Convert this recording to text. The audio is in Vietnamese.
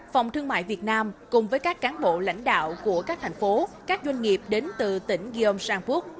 phòng thương mại việt nam cùng với các cán bộ lãnh đạo của các thành phố các doanh nghiệp đến từ tỉnh gyeongsangbuk